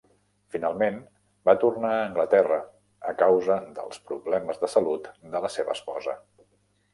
Finalment, va tornar a Anglaterra a causa dels problemes de salut de la seva esposa.